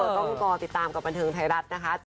ต้องรอติดตามกับบันเทิงไทยรัฐนะคะ